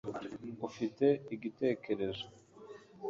Ufite igitekerezo